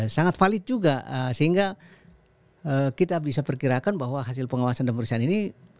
sangat valid juga sehingga kita bisa perkirakan bahwa hasil pengawasan dan pemeriksaan ini